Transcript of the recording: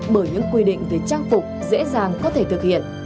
bởi những quy định về trang phục dễ dàng có thể thực hiện